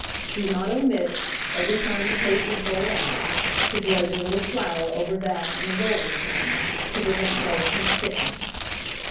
Do not omit, every time the paste is rolled out, to dredge a little flour over that and the rolling pin, to prevent both from sticking.